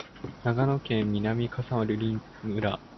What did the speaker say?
長野県南箕輪村